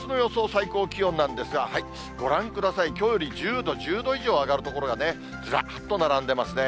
最高気温なんですが、ご覧ください、きょうより１０度、１０度以上上がる所がずらっと並んでますね。